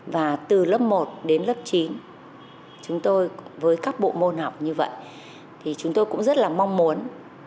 và từ lớp một đến lớp chín chúng tôi với các bộ môn học như vậy thì chúng tôi cũng rất là mong muốn